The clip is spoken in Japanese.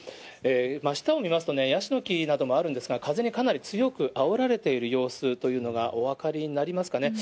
真下を見ますとね、やしの木などもあるんですが、風にかなり強くあおられている様子というのがお分かりになりますかね。